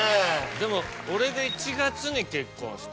でも俺が１月に結婚して。